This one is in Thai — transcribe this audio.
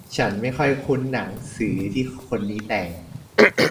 ฉันไม่ค่อยคุ้นหนังสือที่คนนี้แต่ง